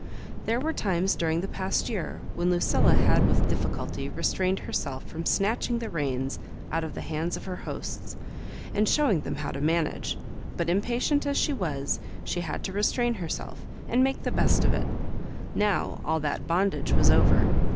There were times during the past year when Lucilla had with difficulty restrained herself from snatching the rems out of the hands of her hosts, and show ing them how to managp. But impatient as she was, she had to restrain herself, and make the best of it Now all that bondage was over.